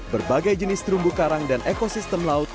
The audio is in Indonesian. berbagai jenis terumbu karang dan ekosistem laut